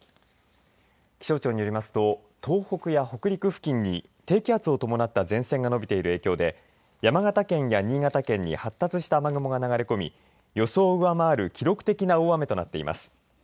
気象庁によりますと、東北や北陸付近に低気圧を伴った前線が伸びている影響で山形県や新潟県に発達した雨雲が流れ込み予想を上回る記録的な大雨となっています。